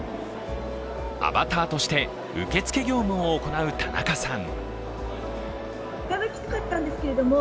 アバターとして受付業務を行う田中さん。